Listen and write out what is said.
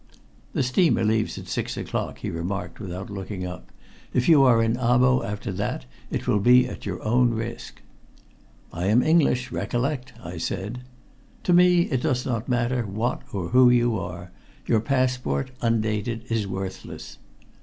"The steamer leaves at six o'clock," he remarked without looking up. "If you are in Abo after that it will be at your own risk." "I am English, recollect," I said. "To me it does not matter what or who you are. Your passport, undated, is worthless."